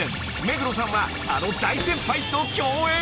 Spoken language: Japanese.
目黒さんはあの大先輩と共演］